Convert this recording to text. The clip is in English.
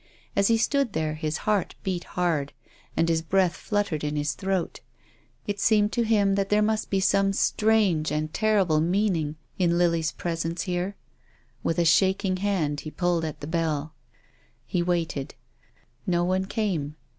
As he stood there his heart beat hard and his breath fluttered in his throat. It seemed to him that there must be some strange and terrible meaning in Lily's presence here. With a shaking hand he pulled at the bell. He waited. No one came.